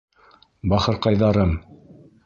Бахырҡайҙарым!..